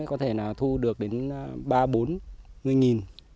có thể thu được đến ba bốn ngươi nghìn